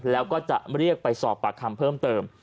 แล้วก็จะเรียกไปสอบปากคำเพิ่มเติม